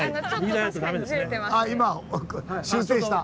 あっ今修正した。